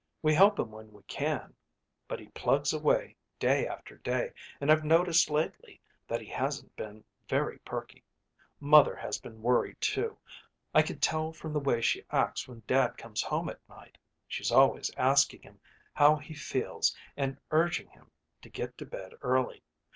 We help him when we can, but he plugs away day after day and I've noticed lately that he hasn't been very perky. Mother has been worried, too. I can tell from the way she acts when Dad comes home at night. She's always asking him how he feels and urging him to get to bed early.